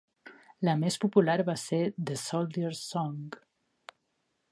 La més popular va ser "The Soldier's Song".